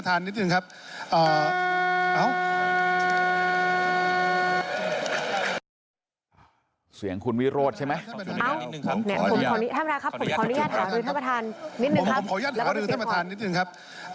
ท่านประธานครับขออนุญาตนิดนึงครับ